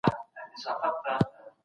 هغه څوک چي ډوډۍ پخوي کور ساتي.